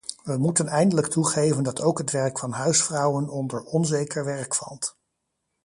We moeten eindelijk toegeven dat ook het werk van huisvrouwen onder onzeker werk valt.